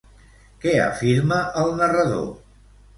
Què afirma el narrador?